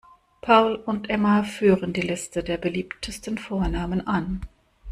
Paul und Emma führen die Liste der beliebtesten Vornamen an.